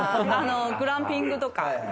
グランピングとか。